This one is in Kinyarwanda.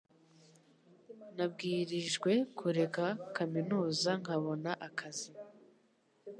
Nabwirijwe kureka kaminuza nkabona akazi